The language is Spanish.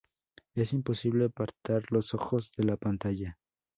Es imposible apartar los ojos de la pantalla.